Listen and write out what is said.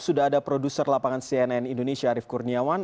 sudah ada produser lapangan cnn indonesia arief kurniawan